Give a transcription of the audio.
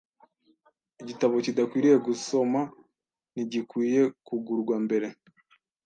Igitabo kidakwiriye gusoma ntigikwiye kugurwa mbere.